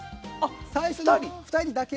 最初の２人だけ。